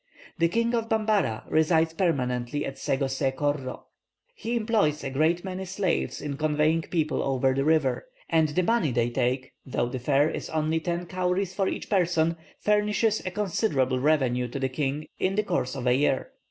The king of Bambara resides permanently at Sego See Korro; he employs a great many slaves in conveying people over the river; and the money they take, though the fare is only ten cowries for each person, furnishes a considerable revenue to the king in the course of a year."